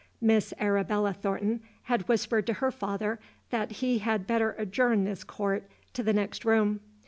Miss Arabella Thornton had whispered to her father that he had better adjourn this court to the next room.